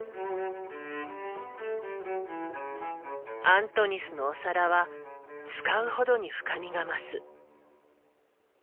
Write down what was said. アントニスのお皿は使うほどに深みが増す。